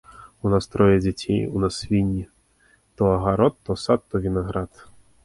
У нас трое дзяцей, у нас свінні, то агарод, то сад, то вінаград.